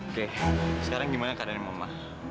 oke sekarang gimana keadaannya mama